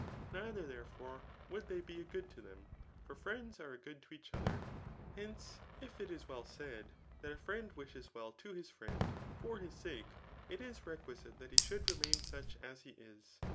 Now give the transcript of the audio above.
Neither, therefore, would they be a good to them ; for friend"^ are a good to each odier. Hence, if it is well said, that a friend wishes well to his friend for his sake, it is requi 'ate that he should remsun such as he is.